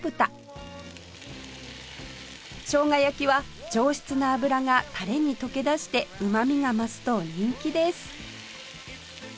しょうが焼きは上質な脂がタレに溶け出してうまみが増すと人気です